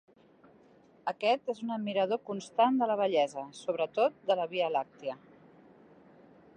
Aquest és un admirador constant de la bellesa, sobretot de la Via Làctia.